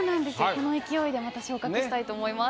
この勢いでまた昇格したいと思います。